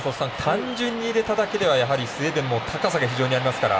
単純に入れただけではやはりスウェーデンも高さも非常にありますから。